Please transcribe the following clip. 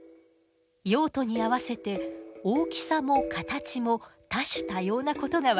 用途に合わせて大きさも形も多種多様なことが分かります。